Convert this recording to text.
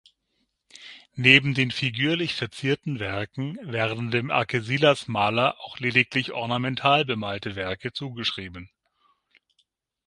Neben den figürlich verzierten Werken werden dem Arkesilas-Maler auch lediglich ornamental bemalte Werke zugeschrieben.